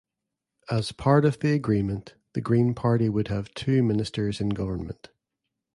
As part of the agreement the Green Party would have two ministers in government.